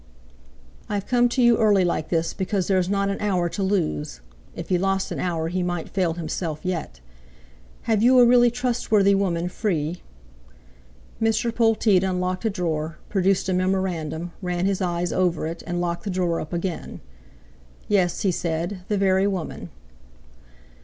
"I've come to you early like this because there's not an hour to lose"—if he lost an hour he might fail himself yet! "Have you a really trustworthy woman free?" Mr. Polteed unlocked a drawer, produced a memorandum, ran his eyes over it, and locked the drawer up again. "Yes," he said; "the very woman."